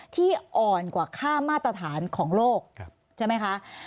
ที่อ่อนกว่าค่ามาตรฐานของโลกใช่ไหมคะ